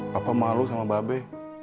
papa malu sama mbak be